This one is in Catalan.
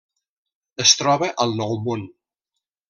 Es troba al Nou Món.